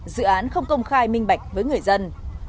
dự án không công khai minh bạch với người dân